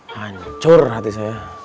hancur hati saya